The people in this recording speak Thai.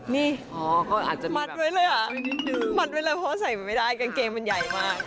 นี่เขาอาจจะมัดไว้เลยอ่ะมัดไว้เลยเพราะว่าใส่มันไม่ได้กางเกงมันใหญ่มาก